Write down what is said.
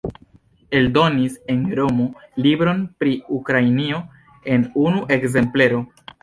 Eldonis en Romo libron pri Ukrainio en unu ekzemplero.